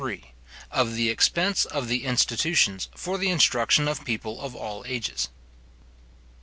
III.—Of the Expense of the Institutions for the Instruction of People of all Ages.